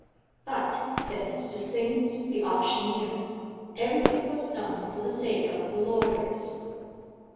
But, said Mr. Sims, the auctioneer, everything was done for the sake of the lawyers.